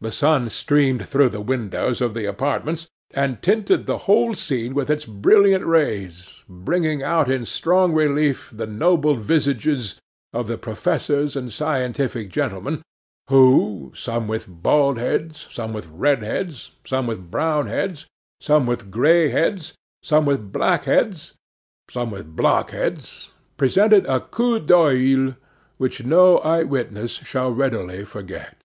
The sun streamed through the windows of the apartments, and tinted the whole scene with its brilliant rays, bringing out in strong relief the noble visages of the professors and scientific gentlemen, who, some with bald heads, some with red heads, some with brown heads, some with grey heads, some with black heads, some with block heads, presented a coup d'œil which no eye witness will readily forget.